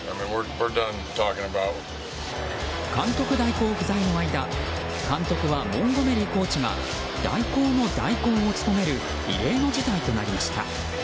監督代行不在の間監督はモンゴメリーコーチが代行の代行を務める異例の事態となりました。